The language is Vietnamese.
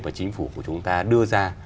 của chính phủ chúng ta đưa ra